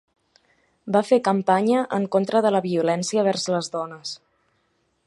Va fer campanya en contra de la violència vers les dones.